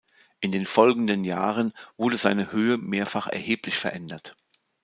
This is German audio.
In den folgenden Jahren wurde seine Höhe mehrfach erheblich verändert.